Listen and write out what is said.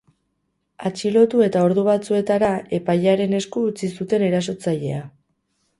Atxilotu eta ordu batzuetara, epailearen esku utzi zuten erasotzailea.